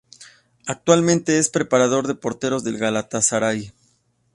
Actualmente es preparador de porteros del Galatasaray.